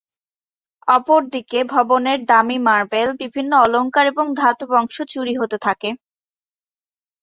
অপরদিকে ভবনের দামী মার্বেল, বিভিন্ন অলংকার এবং ধাতব অংশ চুরি হতে থাকে।